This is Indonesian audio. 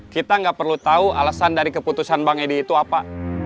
kita nggak perlu tahu alasan dari keputusan bang edi itu apa